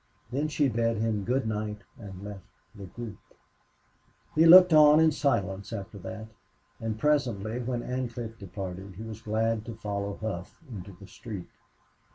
Then she bade him good night and left the group. He looked on in silence after that. And presently, when Ancliffe departed, he was glad to follow Hough into the street.